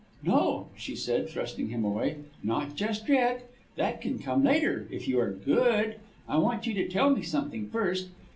"No!" she said, thrusting him away. "Not just yet. That can come later if you are good. I want you to tell me something first.